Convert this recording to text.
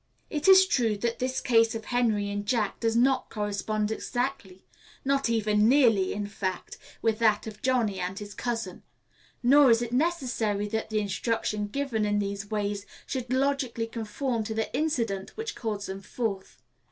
It is true that this case of Henry and Jack does not correspond exactly not even nearly, in fact with that of Johnny and his cousin. Nor is it necessary that the instruction given in these ways should logically conform to the incident which calls them forth.